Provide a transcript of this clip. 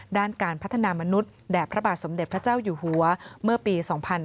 ด้านการพัฒนามนุษย์แด่พระบาทสมเด็จพระเจ้าอยู่หัวเมื่อปี๒๕๕๙